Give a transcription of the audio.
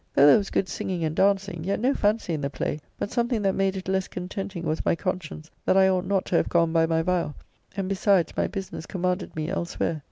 Though there was good singing and dancing, yet no fancy in the play, but something that made it less contenting was my conscience that I ought not to have gone by my vow, and, besides, my business commanded me elsewhere.